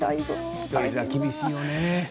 １人じゃ厳しいよね。